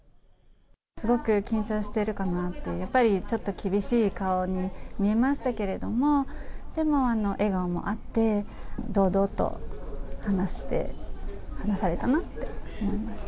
すごく緊張しているかなと、やっぱりちょっと厳しい顔に見えましたけれども、でも、笑顔もあって、堂々と話して、話されたなと思いました。